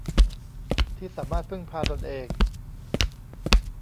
ที่สามารถพึ่งพาตนเอง